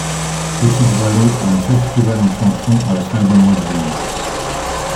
Petite-Vallée a un festival en chanson à la fin du mois de juin.